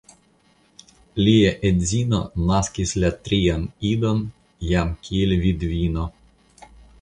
Lia edzino naskis la trian idon jam kiel vidvino.